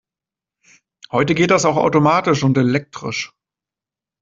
Heute geht auch das automatisch und elektrisch.